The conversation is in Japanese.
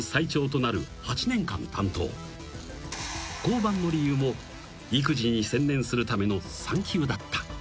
［降板の理由も育児に専念するための産休だった］